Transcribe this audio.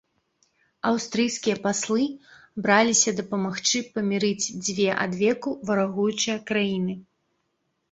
Аўстрыйскія паслы браліся дапамагчы памірыць дзве адвеку варагуючыя краіны.